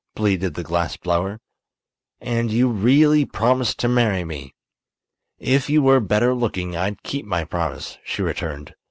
pleaded the glass blower; "and you really promised to marry me." "If you were better looking I'd keep my promise," she returned.